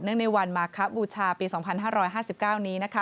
เนื่องในวันมาครับบูชาปี๒๕๕๙นี้